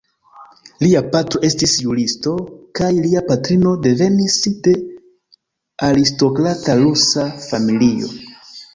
Lia patro estis juristo kaj lia patrino devenis de aristokrata rusa familio.